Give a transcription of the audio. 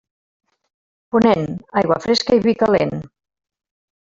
Ponent, aigua fresca i vi calent.